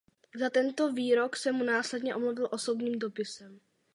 Za tento výrok se mu následně omluvil osobním dopisem.